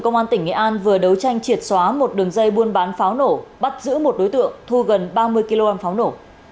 công an tỉnh nghệ an vừa đấu tranh triệt xóa một đường dây buôn bán pháo nổ bắt giữ một đối tượng thu gần ba mươi kg pháo nổ